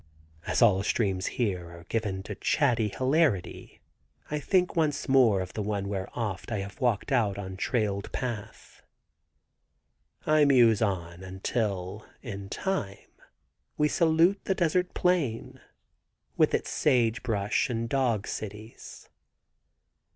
As all streams here are given to chatty hilarity, I think once more of the one where oft I have walked on trailed path. I muse on until in time we salute the desert plain, with its sage brush and dog cities.